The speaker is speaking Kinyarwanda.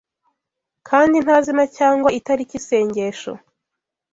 kandi nta zina cyangwa itariki, Isengesho